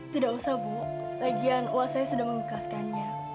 tidak usah bu lagian wak saya sudah membebaskannya